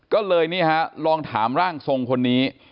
ก็เลยลองถามร่างทรงคนนี้